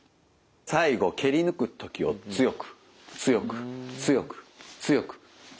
最後蹴り抜く時を強く強く強く強く強く。